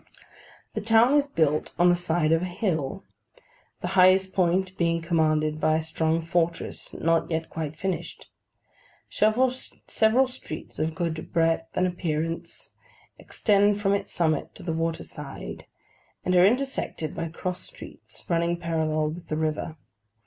The town is built on the side of a hill, the highest point being commanded by a strong fortress, not yet quite finished. Several streets of good breadth and appearance extend from its summit to the water side, and are intersected by cross streets running parallel with the river.